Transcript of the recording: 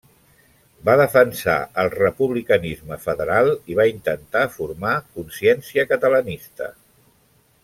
Va defensar el republicanisme federal i va intentar formar consciència catalanista.